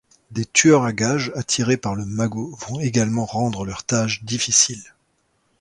Des tueurs à gages attirés par le magot vont également rendre leur tâche difficile.